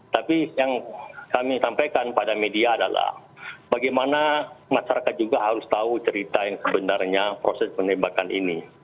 tapi yang kami sampaikan pada media adalah bagaimana masyarakat juga harus tahu cerita yang sebenarnya proses penembakan ini